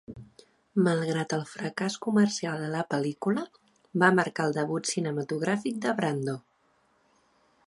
Malgrat el fracàs comercial de la pel·lícula, va marcar el debut cinematogràfic de Brando.